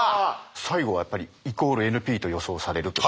最後はやっぱり＝ＮＰと予想されると。